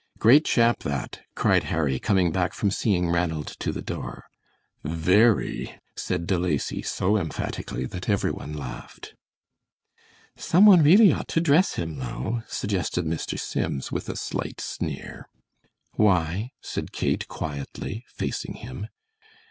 "Great chap, that," cried Harry, coming back from seeing Ranald to the door. "Very," said De Lacy, so emphatically that every one laughed. "Some one really ought to dress him, though," suggested Mr. Sims, with a slight sneer. "Why?" said Kate, quietly, facing him.